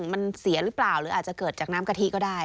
มันเสียหรือเปล่าหรืออาจจะเกิดจากน้ำกะทิก็ได้